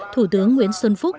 thủ tướng nguyễn xuân phúc